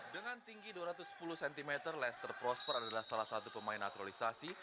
dengan tinggi dua ratus sepuluh cm lester prosper adalah salah satu pemain naturalisasi